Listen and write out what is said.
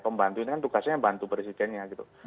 pembantu ini kan tugasnya bantu presidennya gitu